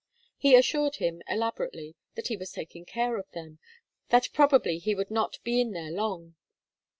He assured him, elaborately, that he was taking care of them, that probably he would not be in there long.